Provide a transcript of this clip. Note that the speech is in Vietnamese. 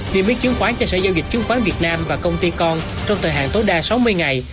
niêm yết chứng khoán cho sở giao dịch chứng khoán việt nam và công ty con trong thời hạn tối đa sáu mươi ngày